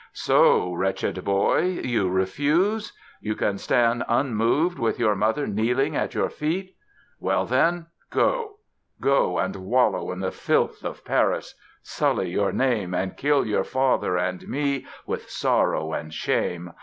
So, wretched boy, you refuse? You can stand unmoved with your mother kneeling at your feet? Well, then, go! Go and wallow in the filth of Paris, sully your name and kill your father and me with sorrow and shame!